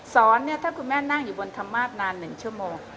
เนี่ยถ้าคุณแม่นั่งอยู่บนธรรมาสนาน๑ชั่วโมง